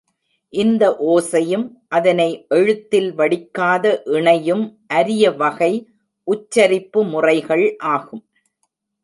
இந்த ஓசையும் அதனை எழுத்தில் வடிக்காத இணையும் அரிய வகை உச்சரிப்பு முறைகள் ஆகும்.